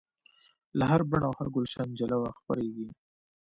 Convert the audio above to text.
له هر بڼ او هر ګلشن جلوه خپریږي